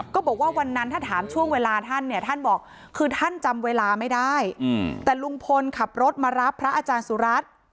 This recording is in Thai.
บอกว่าวันนั้นถ้าถามช่วงเวลาท่านเนี่ยท่านบอกคือท่านจำเวลาไม่ได้แต่ลุงพลขับรถมารับพระอาจารย์สุรัตน์